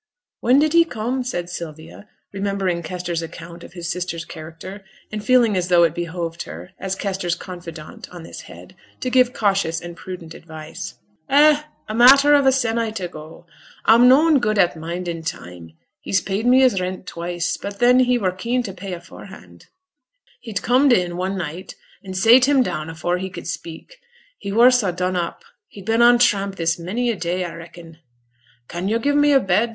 'When did he come?' said Sylvia, remembering Kester's account of his sister's character, and feeling as though it behoved her, as Kester's confidante on this head, to give cautious and prudent advice. 'Eh! a matter of a s'ennight ago. A'm noane good at mindin' time; he's paid me his rent twice, but then he were keen to pay aforehand. He'd comed in one night, an' sate him down afore he could speak, he were so done up; he'd been on tramp this many a day, a reckon. "Can yo' give me a bed?"